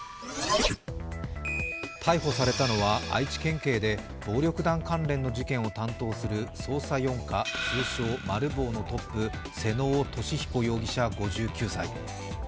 逮捕されたのは、愛知県警で暴力団関連の事件を担当する捜査４課、通称マル暴のトップ、妹尾利彦容疑者５９歳。